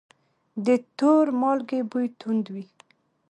د تور مالګې بوی توند وي.